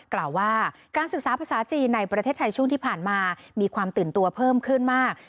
กล่าวว่าการศึกษาภาษาจีนในประเทศไทยช่วงที่ผ่านมามีความตื่นตัวเพิ่มขึ้นมาก